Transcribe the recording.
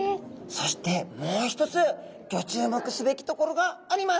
そしてもう一つギョ注目すべきところがあります！